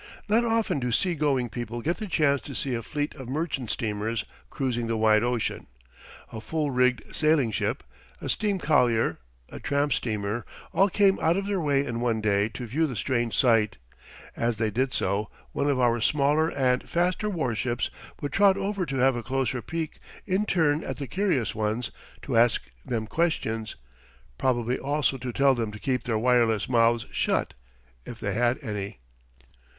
Not often do seagoing people get the chance to see a fleet of merchant steamers cruising the wide ocean. A full rigged sailing ship, a steam collier, a tramp steamer, all came out of their way in one day to view the strange sight. As they did so, one of our smaller and faster war ships would trot over to have a closer peek in turn at the curious ones; to ask them questions; probably also to tell them to keep their wireless mouths shut, if they had any.